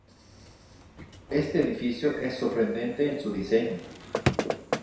Este edificio es sorprendente en su diseño.